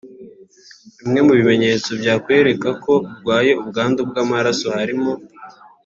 Bimwe mu bimenyetso byakwereka ko urwaye ubwandu bw’amaraso harimo